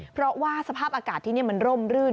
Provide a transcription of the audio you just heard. เพราะว่าสภาพอากาศที่นี่มันร่มรื่น